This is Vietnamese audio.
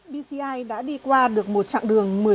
vcci đã đi qua được một chặng đường